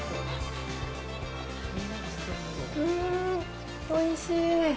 うん、おいしい。